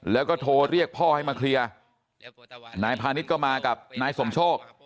แล้วก็โทรเรียกพ่อให้มาเคลียร์นายพาณิชย์ก็มากับนายสมโชค